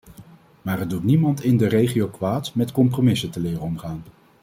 Maar het doet niemand in de regio kwaad met compromissen te leren omgaan.